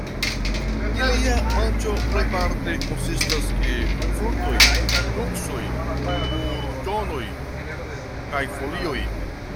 Ilia manĝo plejparte konsistas ke fruktoj, nuksoj, burĝonoj kaj folioj.